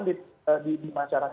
nah terkait dengan